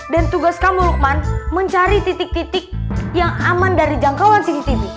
dan tugas kamu lukman mencari titik titik yang aman dari jangkauan cctv